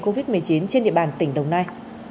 covid một mươi chín trên địa bàn tỉnh đồng nai